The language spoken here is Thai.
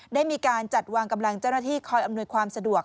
ได้มีการจัดวางกำลังเจ้าหน้าที่คอยอำนวยความสะดวก